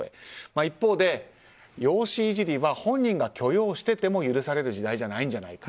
一方で、容姿いじりは本人が許容してても許される時代じゃないんじゃないか。